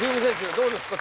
どうですか？